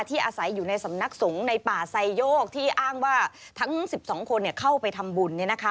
อาศัยอยู่ในสำนักสงฆ์ในป่าไซโยกที่อ้างว่าทั้ง๑๒คนเข้าไปทำบุญ